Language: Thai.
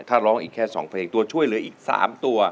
ถ้าร้องอีกแค่๒เพลงตัวช่วยเหลืออีก๓ตัว